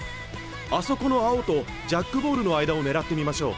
あそこの青とジャックボールの間を狙ってみましょう。